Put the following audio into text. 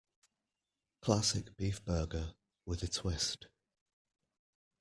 Classic beef burger, with a twist.